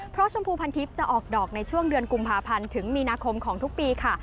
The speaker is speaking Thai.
เพราะชมพูพันทิพย์จะออกดอกในช่วงเดือนกุมภาพันธ์ถึงมีนาคมของทุกปีค่ะ